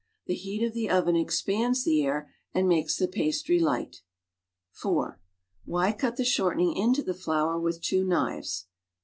The heat of the oven expands the air and makes the pastry light. (4) Why rut the shortening into the flour with two knives? Ans.